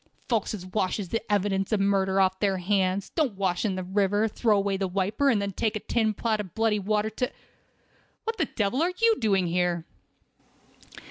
Folks as washes the evidence of murder off their hands, don't wash in the river, throw away the wiper, and then take a tin pot of bloody water to—" "What the devil are you doing here?"